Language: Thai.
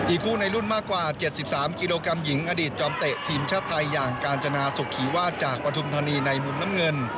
คู่ในรุ่นมากกว่า๗๓กิโลกรัมหญิงอดีตจอมเตะทีมชาติไทยอย่างกาญจนาสุขีวาสจากปฐุมธานีในมุมน้ำเงิน